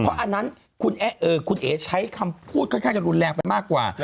เพราะอันนั้นคุณเอ๋ใช้คำพูดค่อนข้างจะรุนแรงไปมากกว่า